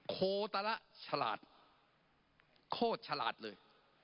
โคตะละฉลาดโคตรฉลาดเลย